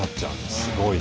すごいね。